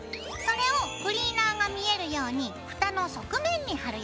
それをクリーナーが見えるようにふたの側面に貼るよ。